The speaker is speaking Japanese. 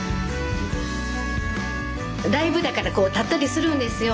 ライブだからこう立ったりするんですよ。